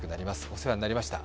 お世話になりました。